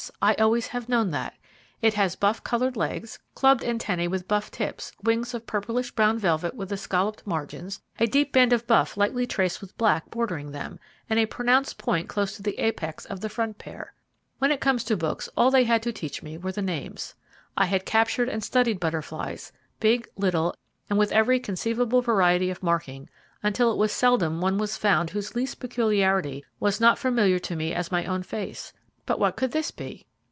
I always have known that. It has buff coloured legs, clubbed antennae with buff tips, wings of purplish brown velvet with escalloped margins, a deep band of buff lightly traced with black bordering them, and a pronounced point close the apex of the front pair. When it came to books, all they had to teach me were the names. I had captured and studied butterflies, big, little, and with every conceivable variety of marking, until it was seldom one was found whose least peculiarity was not familiar to me as my own face; but what could this be?